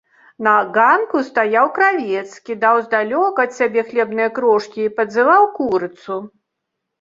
На ганку стаяў кравец, кідаў здалёк ад сябе хлебныя крошкі і падзываў курыцу.